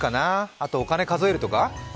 あとお金、数えるとか。